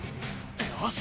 よし。